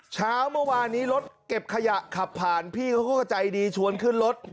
เช้าเมื่อวานนี้รถเก็บขยะขับผ่านพี่เขาก็ใจดีชวนขึ้นรถ